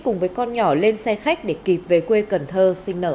cùng với con nhỏ lên xe khách để kịp về quê cần thơ sinh nở